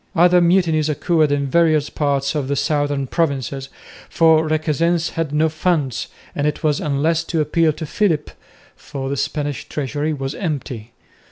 Other mutinies occurred in various parts of the southern provinces, for Requesens had no funds, and it was useless to appeal to Philip, for the Spanish treasury was empty.